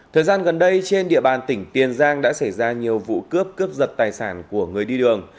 thời gian gần đây trên địa bàn tỉnh tiền giang đã xảy ra nhiều vụ cướp cướp giật tài sản của người đi đường